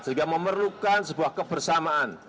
sehingga memerlukan sebuah kebersamaan